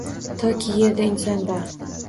Toki yerda inson bor